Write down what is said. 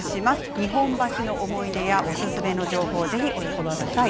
日本橋の思い出やおすすめの情報をぜひお寄せください。